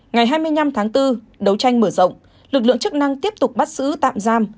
ngày hai mươi năm tháng bốn đấu tranh mở rộng lực lượng chức năng tiếp tục bắt xử tạm giam